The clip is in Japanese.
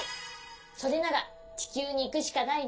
それならちきゅうにいくしかないね。